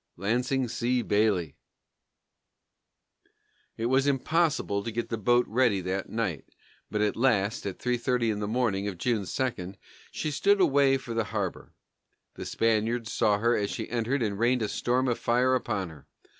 LANSING C. BAILEY. It was impossible to get the boat ready that night, but at last, at 3:30 on the morning of June 2, she stood away for the harbor. The Spaniards saw her as she entered and rained a storm of fire upon her.